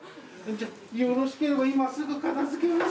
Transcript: よろしければ今すぐ片付けますんで。